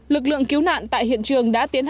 lực lượng cứu nạn tại hiện trường đã tiến hành